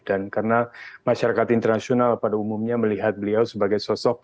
dan karena masyarakat internasional pada umumnya melihat beliau sebagai sosok